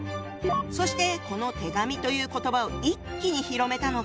そしてこの手紙という言葉を一気に広めたのが！